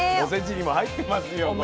おせちにも入ってますよ